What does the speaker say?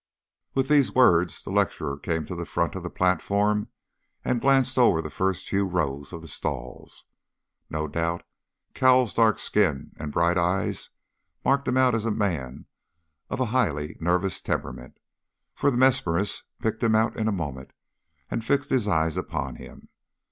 With these words the lecturer came to the front of the platform, and glanced over the first few rows of the stalls. No doubt Cowles' dark skin and bright eyes marked him out as a man of a highly nervous temperament, for the mesmerist picked him out in a moment, and fixed his eyes upon him.